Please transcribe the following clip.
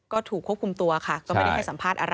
ก็ถูกควบคุมตัวค่ะ